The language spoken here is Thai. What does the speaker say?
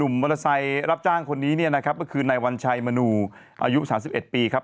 มอเตอร์ไซค์รับจ้างคนนี้เนี่ยนะครับก็คือนายวัญชัยมนูอายุ๓๑ปีครับ